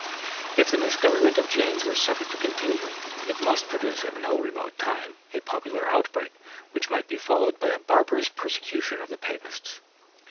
If the misgovernment of James were suffered to continue, it must produce, at no remote time, a popular outbreak, which might be followed by a barbarous persecution of the Papists.